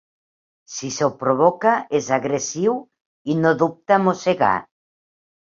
Si se'l provoca, és agressiu i no dubta a mossegar.